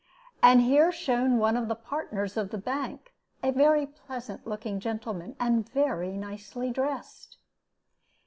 And here shone one of the partners of the bank, a very pleasant looking gentleman, and very nicely dressed.